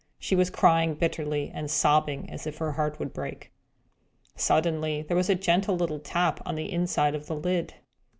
She was crying bitterly, and sobbing as if her heart would break. Suddenly there was a gentle little tap on the inside of the lid.